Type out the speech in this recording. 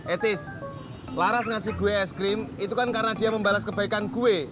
etis laras ngasih gue es krim itu kan karena dia membalas kebaikan gue